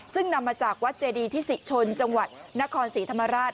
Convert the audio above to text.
ซึ่งนำมาจากวัดเจดีที่ศรีชนจังหวัดนครศรีธรรมราช